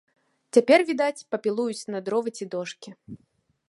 Цяпер, відаць, папілуюць на дровы ці дошкі.